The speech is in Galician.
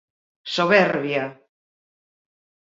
Soberbia.